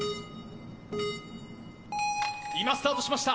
今スタートしました。